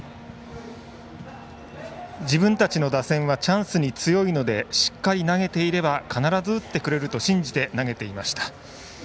自分たちの打線はチャンスに強いのでしっかり投げていれば必ず打ってくれると信じて投げていました。